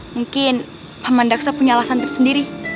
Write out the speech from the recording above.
mungkin aman daksa punya alasan tersendiri